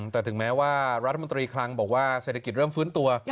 แต่ถึงแม้ว่ารัฐมนตรีคลังบอกว่าเศรษฐกิจเริ่มฟื้นตัว